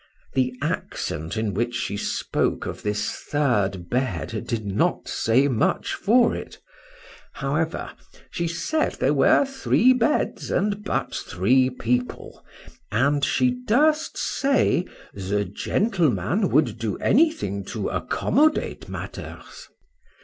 The accent in which she spoke of this third bed, did not say much for it;—however, she said there were three beds and but three people, and she durst say, the gentleman would do anything to accommodate matters.